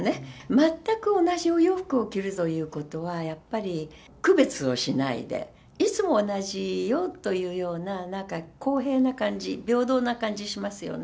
全く同じお洋服を着るということは、やっぱり区別をしないで、いつも同じよというような、なんか公平な感じ、平等な感じしますよね。